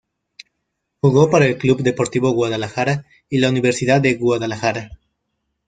Jugó para el Club Deportivo Guadalajara y la Universidad de Guadalajara.